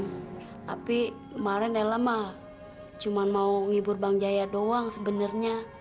tapi kemarin ya lama cuma mau ngibur bang jaya doang sebenarnya